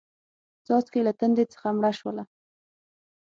څاڅکې له تندې څخه مړه شوله